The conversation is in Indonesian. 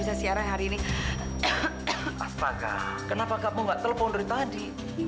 astaga kenapa kamu gak telepon dari tadi